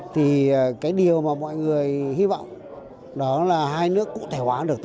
thì cái điều mà mọi người hy vọng đó là hai nước cụ thể